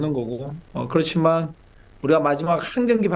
saya tidak bisa melakukan apa yang saya bisa